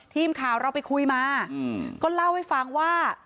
ทีมข่าวเราไปคุยมาก็เล่าให้ฟังว่า